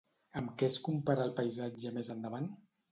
Amb què es compara el paisatge més endavant?